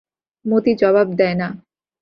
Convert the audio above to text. মতি জবাব দেয় না।